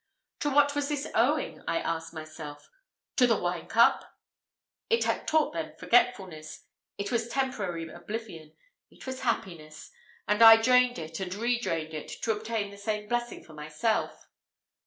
To what was this owing? I asked myself. To the wine cup! It had taught them forgetfulness! it was temporary oblivion! it was happiness! and I drained it, and redrained it, to obtain the same blessing for myself.